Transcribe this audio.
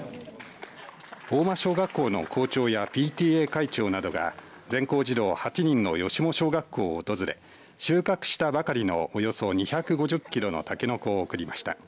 合馬小学校の校長やＰＴＡ会長などが全校児童８人の吉母小学校を訪れ収穫したばかりのおよそ２５０キロのたけのこを送りました。